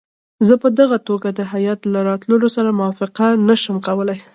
زه په دغه توګه د هیات له راتلو سره موافقه نه شم کولای.